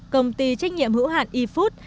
công ty trách nhiệm hữu hạn efood